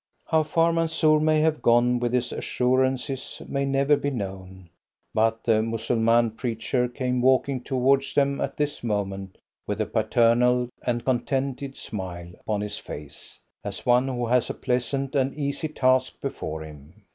How far Mansoor may have gone with his assurances may never be known, but the Mussulman preacher came walking towards them at this moment with a paternal and contented smile upon his face, as one who has a pleasant and easy task before him.